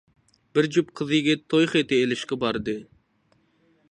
بىر جۈپ قىز-يىگىت توي خېتى ئېلىشقا باردى.